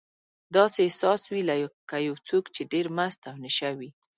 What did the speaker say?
داسې احساس وي لکه یو څوک چې ډېر مست او نشه وي.